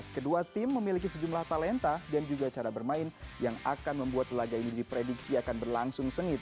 kedua tim memiliki sejumlah talenta dan juga cara bermain yang akan membuat laga ini diprediksi akan berlangsung sengit